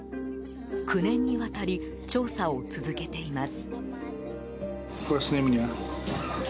９年にわたり調査を続けています。